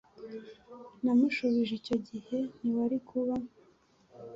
Namushubije icyo gihe ntiwari kuba